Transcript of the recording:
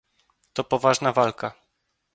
To poważna walka